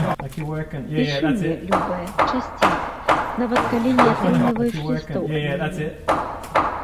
Пішы мне, любая, часцей, нават калі не атрымліваеш лістоў ад мяне.